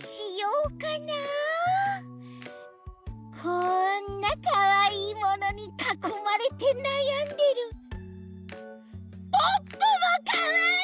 こんなかわいいものにかこまれてなやんでるポッポもかわいい！